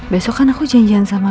besok kan aku janjian sama